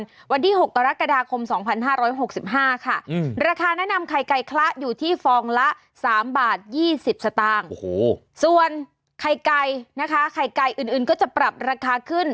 ส่วนไข่ไก่นะคะไข่ไก่อื่นก็จะปรับราคาขึ้น